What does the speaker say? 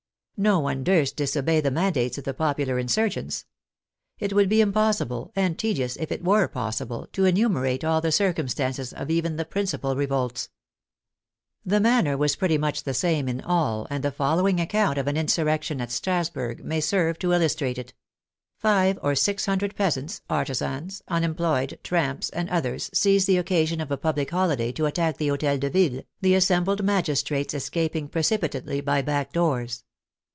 No one durst disobey the mandates of the popular insurgents. It would be impossible, and tedious if it were possible, to enumerate all the circumstances of even the principal revolts. The ECONOMIC PRELUDE IN THE PROVINCES 9 manner was pretty much the same in all, and the follow ing account of an insurrection at Strasburg may serve to illustrate it: Five or six hundred peasants, artisans, unemployed, tramps, and others, seize the occasion of a public holiday to attack the Hotel de Ville, the as sembled magistrates escaping precipitately by back doors.